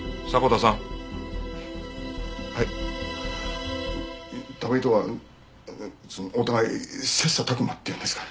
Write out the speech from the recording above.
田部井とはお互い切磋琢磨っていうんですか？